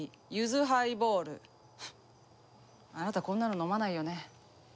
あなたこんなの飲まないよね？